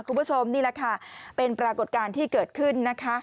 คุณผู้ชมนี่แหละค่ะเป็นปรากฏการณ์ที่เกิดขึ้นนะคะ